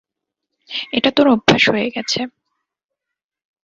এটা তোর অভ্যাস হয়ে গেছে।